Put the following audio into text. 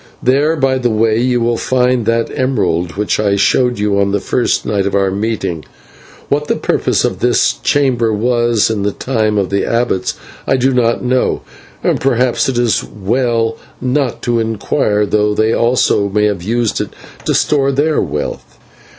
There, by the way, you will find that emerald which I showed you on the first night of our meeting. What the purpose of this chamber was in the time of the abbots I do not know, and perhaps it is as well not to inquire, though they also may have used it to store their wealth.